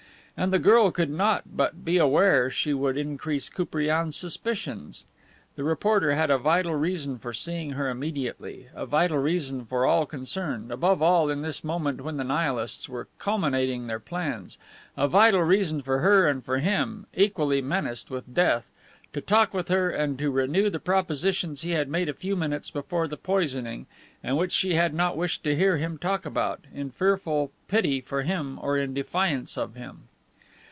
And the girl could not but be aware she would increase Koupriane's suspicions. The reporter had a vital reason for seeing her immediately, a vital reason for all concerned, above all in this moment when the Nihilists were culminating their plans, a vital reason for her and for him, equally menaced with death, to talk with her and to renew the propositions he had made a few minutes before the poisoning and which she had not wished to hear him talk about, in fearful pity for him or in defiance of him.